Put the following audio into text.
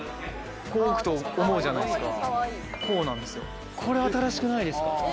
こう置くと思うじゃないですか、こうなんですよ。